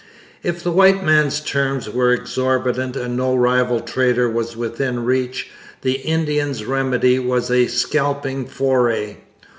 If the white man's terms were exorbitant and no rival trader was within reach, the Indian's remedy was a scalping foray.